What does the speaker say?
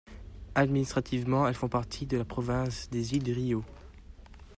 Administrativement, elles font partie de la province des îles Riau.